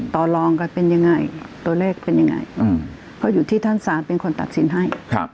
ต่อลองกันเป็นยังไงตัวเลขเป็นยังไงเพราะอยู่ที่ท่านศาลเป็นคนตัดสินให้